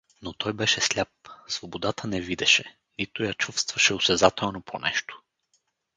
Но той беше сляп, свободата не видеше, нито я чувстваше осезателно по нещо.